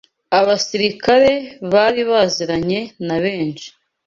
abasirikare bari baziranye na benshi